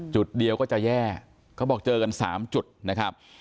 จุดเดียวก็จะแย่เขาบอกเจอกัน๓จุดนะครับ